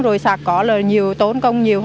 rồi sạc có là tốn công nhiều hơn